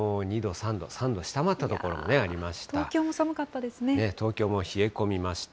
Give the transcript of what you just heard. ３度下回った所もありました。